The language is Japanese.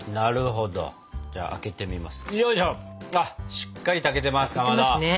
しっかり炊けてますかまど！